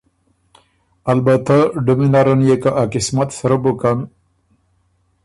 البتۀ ډُمی نرن يې که ا قسمت سرۀ بُکن